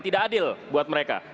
tidak adil buat mereka